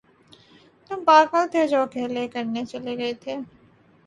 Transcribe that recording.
تم پاگل تھے جو اکیلے کرنے چلے گئے تھے۔